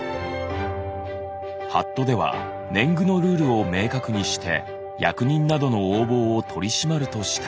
法度では年貢のルールを明確にして役人などの横暴を取り締まるとした。